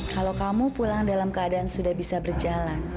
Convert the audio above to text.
kalau kamu pulang dalam keadaan sudah bisa berjalan